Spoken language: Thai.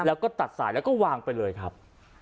แล้วก็ตัดสายแล้วก็วางไปเลยครับ